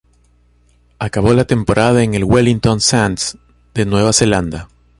Acabó la temporada en el Wellington Saints de Nueva Zelanda.